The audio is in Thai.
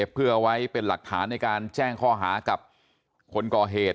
เพื่อเอาไว้เป็นหลักฐานในการแจ้งข้อหากับคนก่อเหตุ